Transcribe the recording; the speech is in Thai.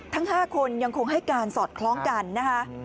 ทั้ง๕คนยังคงให้การสอดคล้องกันนะคะ